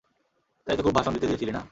তুই তো খুব ভাষণ দিতে চেয়েছিলি, না?